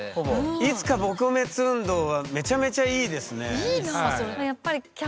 「いつか撲滅運動」はめちゃめちゃいいですね。